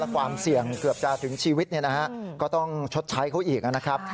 ความเสี่ยงเกือบจะถึงชีวิตก็ต้องชดใช้เขาอีกนะครับ